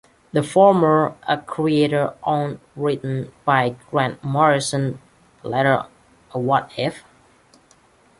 The former a creator-owned written by Grant Morrison, the latter a what if?